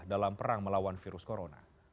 dalam perang melawan virus corona